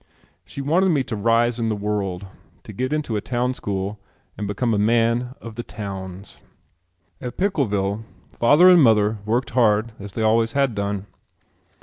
She wanted me to rise in the world, to get into a town school and become a man of the towns. At Pickleville father and mother worked hard as they always had done.